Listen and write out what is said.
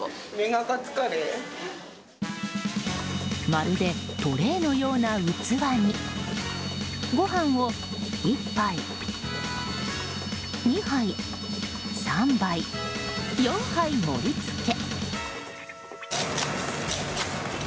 まるでトレーのような器にご飯を１杯、２杯、３杯４杯盛り付け。